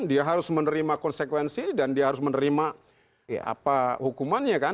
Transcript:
dia harus menerima konsekuensi dan dia harus menerima hukumannya kan